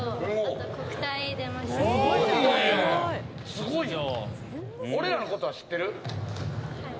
すごいな。